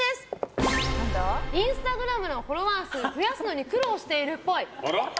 インスタグラムのフォロワー数増やすのに苦労してるっぽい。